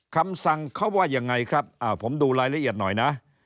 คำสั่งเขาว่ายังไงครับผมดูรายละเอียดหน่อยนะ